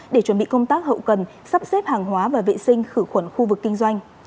để chuẩn bị công tác hậu cần sắp xếp hàng hóa và vệ sinh khử khuẩn khu vực kinh doanh